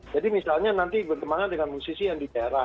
jadi misalnya nanti bertemanan dengan musisi yang di daerah